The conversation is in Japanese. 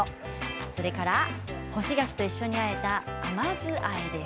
それから干し柿と一緒にあえた甘酢あえです。